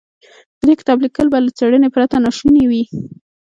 د دې کتاب ليکل به له څېړنې پرته ناشوني و.